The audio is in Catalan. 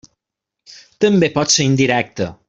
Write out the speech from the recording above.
També pot ser indirecta.